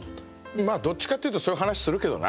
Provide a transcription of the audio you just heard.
まあどっちかっていうとそういう話するけどな。